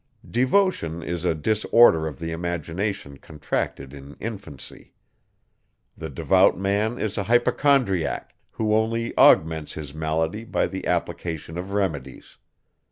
Devotion is a disorder of the imagination contracted in infancy. The devout man is a hypochondriac, who only augments his malady by the application of remedies.